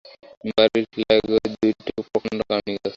বাড়ির লাগোয়া দুটি প্রকাণ্ড কামিনী গাছ।